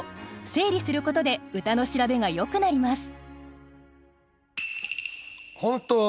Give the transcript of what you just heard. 整理することで歌の調べがよくなります。